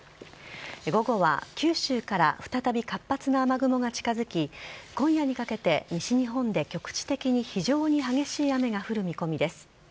午後は九州から再び活発な雨雲が近づき今夜にかけて、西日本で局地的に非常に激しい雨が降る見込みです。